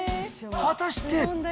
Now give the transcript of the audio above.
果たして。